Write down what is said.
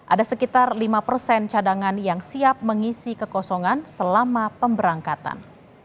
ada sekitar lima persen cadangan yang siap mengisi kekosongan selama pemberangkatan